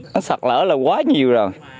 nó sặt lỡ là quá nhiều rồi